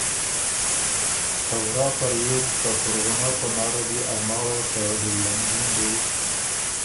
ته ورا په ریوز ته پُرغُنؤ پناره لیې ا ماوه ته لیلن بندی